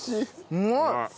うまい！